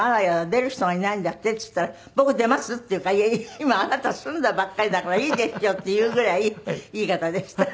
「出る人がいないんだって」って言ったら「僕出ます」って言うから「いや今あなた済んだばっかりだからいいですよ」っていうぐらいいい方でした。